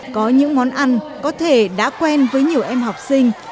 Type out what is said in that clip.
có những món ăn có thể đã quen với nhiều em học sinh